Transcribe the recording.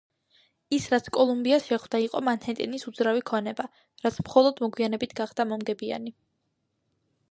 ის რაც კოლუმბიას შეხვდა იყო მანჰეტენის უძრავი ქონება, რაც მხოლოდ მოგვიანებით გახდა მომგებიანი.